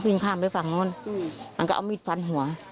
ข้ามไปฝั่งนู้นมันก็เอามีดฟันหัว